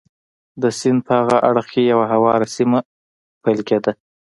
د سیند په هاغه اړخ کې یوه هواره سیمه پیل کېده.